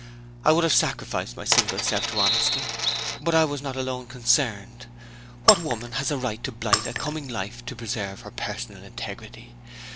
I would have sacrificed my single self to honesty, but I was not alone concerned. What woman has a right to blight a coming life to preserve her personal integrity?